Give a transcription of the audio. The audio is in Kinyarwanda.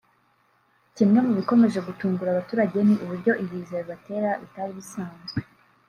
Kimwe mu bikomeje gutungura abaturage ni uburyo ibiza bibatera bitari bisanzwe